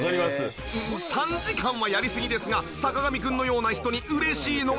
３時間はやりすぎですが坂上くんのような人に嬉しいのが。